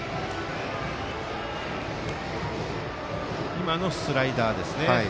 今のスライダーですね。